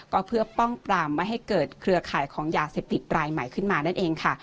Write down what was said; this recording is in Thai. ก็เพื่อป้องปรามไม่ให้เกิดเครือข่ายของยาเสพติดรายใหม่ขึ้นมานั่นเองค่ะ